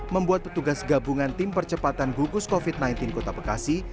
membuat petugas gabungan tim percepatan gugus covid sembilan belas kota bekasi